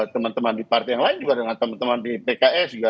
teman teman di partai yang lain juga dengan teman teman di pks juga